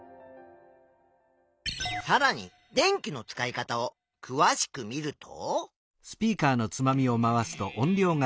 さらに電気の使い方をくわしく見ると？